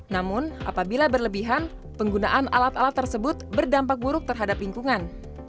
namun apabila berlebihan penggunaan alat alat tersebut berdampak buruk terhadap lingkungan